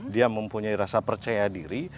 dia mempunyai rasa percaya diri